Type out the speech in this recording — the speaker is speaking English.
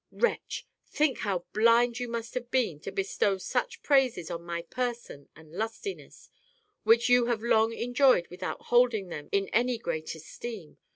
Wretch ! think how blind you must have been to bestow such praises on my person and lustiness, which you have long enjoyed without holding them in any great esteem.